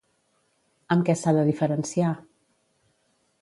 Amb què s'ha de diferenciar?